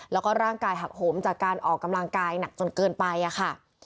แล้วก็ร่างกายหักโหมจากการออกกำลังกายหนักจนเกินไปค่ะ